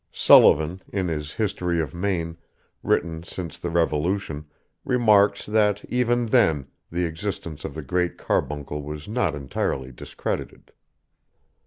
Sullivan, in his History of Maine, written since the Revolution, remarks, that even then the existence of the Great Carbuncle was not entirely discredited.)